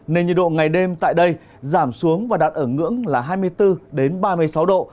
nên nhiệt độ ngày đêm tại đây giảm xuống và đạt ở ngưỡng là hai mươi bốn ba mươi sáu độ